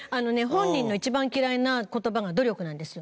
本人の一番嫌いな言葉が努力なんですよ。